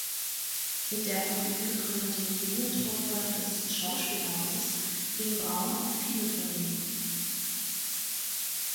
Mit der von ihm gegründeten „Jungen Truppe des Schauspielhauses“ ging Braun auf viele Tourneen.